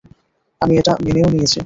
আমি এটা মেনেও নিয়েছি।